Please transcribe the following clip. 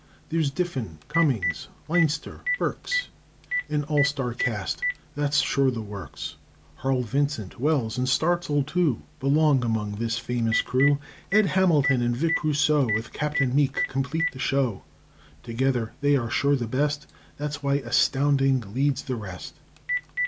There's Diffin, Cummings, Leinster, Burks; An all star cast that's sure the works. Harl Vincent, Wells, and Starzl, too, Belong among this famous crew. Ed Hamilton and Vic Rousseau With Captain Meek complete the show. Together they are sure the best; That's why Astounding leads the rest!